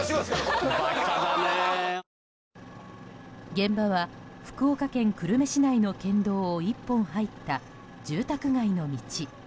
現場は福岡県久留米市内の県道を１本入った住宅街の道。